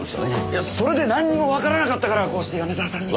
いやそれでなんにもわからなかったからこうして米沢さんに。